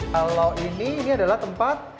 kalau ini ini adalah tempat